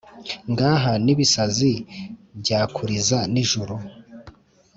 ngaha n’ibisazi byakuriza n’ijuru